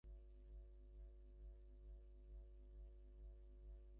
নাড়ীও শঙ্কাজনক নহে এবং শরীরযন্ত্রেরও কোনো বিকৃতি ঘটে নাই।